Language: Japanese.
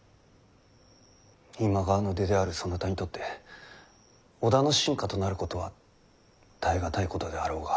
今川の出であるそなたにとって織田の臣下となることは耐え難いことであろうが。